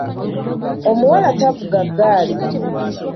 Omuwala tavuga ggaali